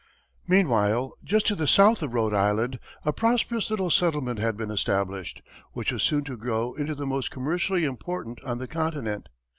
Meanwhile, just to the south of Rhode Island, a prosperous little settlement had been established, which was soon to grow into the most commercially important on the continent.